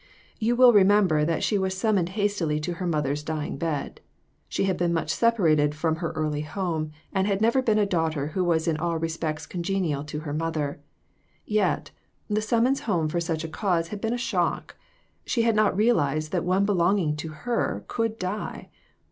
You will remember that she was summoned hastily to her mother's dying bed. She had been much separated from her early home, and had never been a daughter who was in all respects congenial to her mother. Yet, the summons home for such a cause had been a shock ; she had not realized that one belonging to her could die!